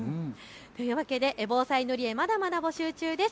というわけで防災塗り絵、まだまだ募集中です。